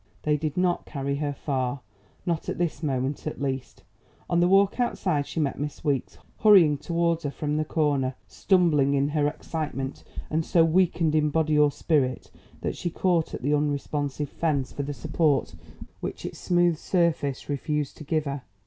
They did not carry her far, not at this moment at least. On the walk outside she met Miss Weeks hurrying towards her from the corner, stumbling in her excitement and so weakened in body or spirit that she caught at the unresponsive fence for the support which its smooth surface refused to give her.